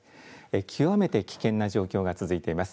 極めて危険な状況が続いてます。